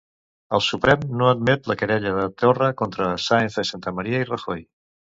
El Suprem no admet la querella de Torra contra Sáenz de Santamaría i Rajoy.